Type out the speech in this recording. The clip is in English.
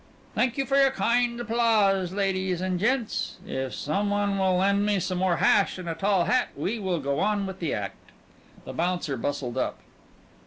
"Thank you for your kind applause, ladies and gents. If some one will lend me some more hash and a tall hat we will go on with the act." The bouncer bustled up.